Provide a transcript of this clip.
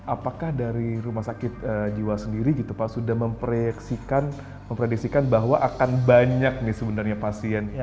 apakah dari rumah sakit jiwa sendiri sudah memprediksikan bahwa akan banyak pasien